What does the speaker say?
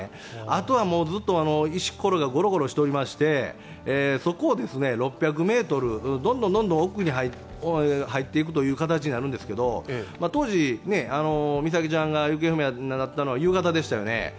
あとはずっと石ころがごろごろしておりましてそこを、６００ｍどんどん奥に入っていく形になるんですけど当時、美咲ちゃんが行方不明になったのは夕方でしたよね。